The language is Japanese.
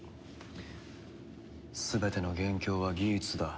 全ての元凶はギーツだ。